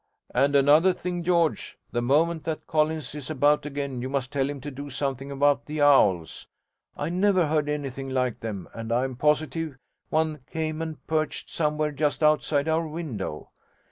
'And another thing, George: the moment that Collins is about again, you must tell him to do something about the owls. I never heard anything like them, and I'm positive one came and perched somewhere just outside our window.